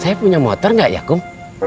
saya punya motor nggak ya kum